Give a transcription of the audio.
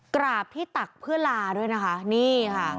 กราบที่ตักเพื่อลาด้วยนะคะนี่ค่ะ